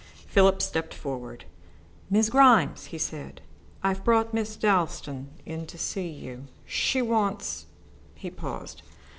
Philip stepped forward. "Miss Grimes," he said, "I have brought Miss Dalstan in to see you. She wants " He paused.